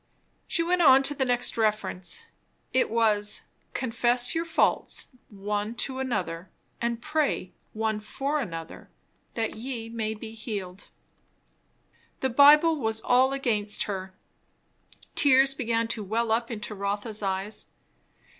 She went on to the next reference. It was, "Confess your faults one to another, and pray one for another, that ye may be healed." The Bible was all against her. Tears began to well up into Rotha's eyes.